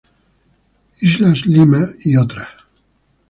Islas-Lima et al.